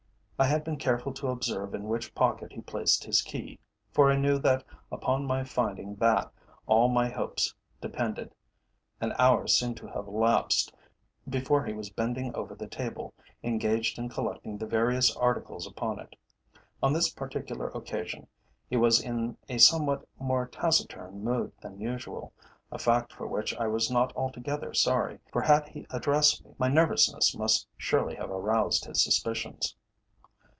I had been careful to observe in which pocket he placed his key, for I knew that upon my finding that all my hopes depended. An hour seemed to have elapsed before he was bending over the table, engaged in collecting the various articles upon it. On this particular occasion he was in a somewhat more taciturn mood than usual, a fact for which I was not altogether sorry, for had he addressed me, my nervousness must surely have aroused his suspicions.